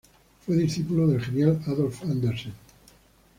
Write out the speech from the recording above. Fue discípulo del genial Adolf Anderssen.